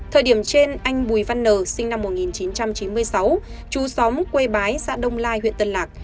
thời điểm trên anh bùi văn nờ sinh năm một nghìn chín trăm chín mươi sáu chú xóm quây bái xã đông lai huyện tân lạc